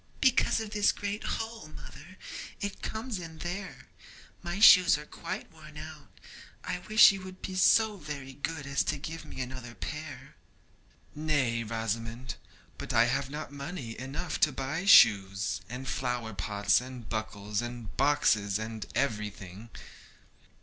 'Because of this great hole, mother; it comes in there. My shoes are quite worn out. I wish you would be so very good as to give me another pair.' 'Nay, Rosamond, but I have not money enough to buy shoes, and flower pots, and buckles, and boxes, and everything.'